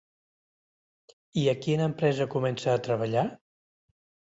I a quina empresa comença a treballar?